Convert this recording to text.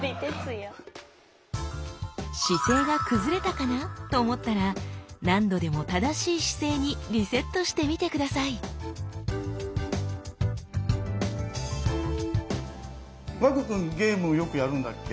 姿勢が崩れたかなと思ったら何度でも正しい姿勢にリセットしてみて下さい和空くんゲームよくやるんだっけ？